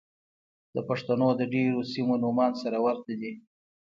د پښتنو د ډېرو سيمو نومان سره ورته دي.